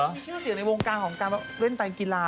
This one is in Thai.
มีชื่อเสียงในวงการของการเล่นการกีฬา